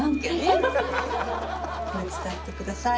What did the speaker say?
やめてください！